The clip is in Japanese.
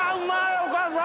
お母さん！